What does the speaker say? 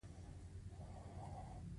هغه هغې ته د نازک هوا ګلان ډالۍ هم کړل.